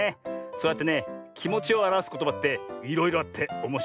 そうやってねきもちをあらわすことばっていろいろあっておもしろいよなあ。